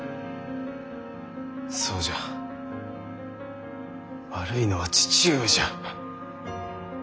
そうじゃ悪いのは父上じゃ。